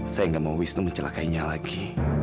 saya nggak mau wisnu mencelakainya lagi